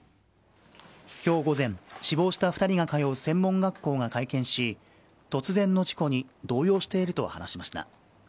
きょう午前、死亡した２人が通う専門学校が会見し、突然の事故に、動揺していると話しました。